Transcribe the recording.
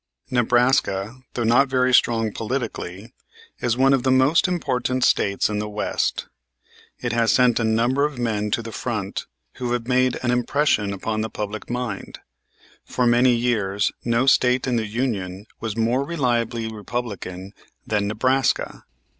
Nebraska, though not very strong politically, is one of the most important States in the West. It has sent a number of men to the front who have made an impression upon the public mind. For many years no State in the Union was more reliably Republican than Nebraska.